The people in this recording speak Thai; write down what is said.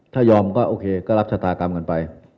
ถ้ายอมก็โอเคก็รับชะตากรรมกันไป